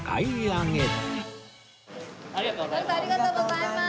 ありがとうございます。